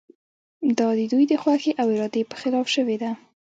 دا د دوی د خوښې او ارادې په خلاف شوې ده.